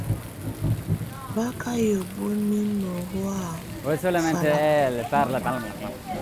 Bá kà yǝ́buǝ́ mimǝ́ hɔ̀á ù falaba.